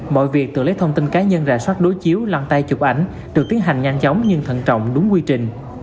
mọi việc từ lấy thông tin cá nhân ra soát đối chiếu loan tay chụp ảnh được tiến hành nhanh chóng nhưng thận trọng đúng quy trình